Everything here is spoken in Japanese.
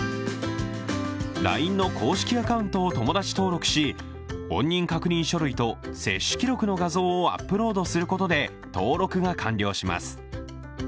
ＬＩＮＥの公式アカウントを友達登録し本人確認書類と接種記録の画像をアップロードすることで登録が完了します。